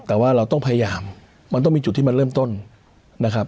แต่ว่าเราต้องพยายามมันต้องมีจุดที่มันเริ่มต้นนะครับ